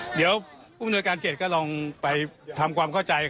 เดี๋ยวผู้มนวยการเขตก็ลองไปทำความเข้าใจ